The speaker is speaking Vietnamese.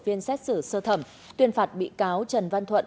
phiên xét xử sơ thẩm tuyên phạt bị cáo trần văn thuận